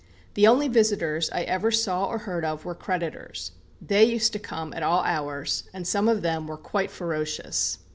The only visitors I ever saw or heard of were creditors. They used to come at all hours, and some of them were quite ferocious."